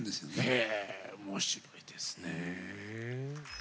へえ面白いですね。